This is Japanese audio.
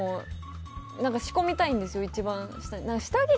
仕込みたいんですよ一番下に。